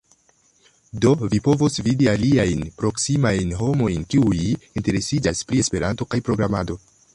Do vi povos vidi aliajn proksimajn homojn kiuj interesiĝas pri Esperanto kaj programado